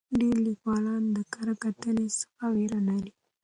ډېر لیکوالان د کره کتنې څخه ویره لري.